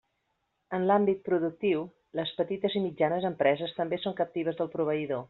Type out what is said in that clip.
En l'àmbit productiu, les petites i mitjanes empreses també són captives del proveïdor.